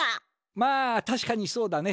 まあたしかにそうだね。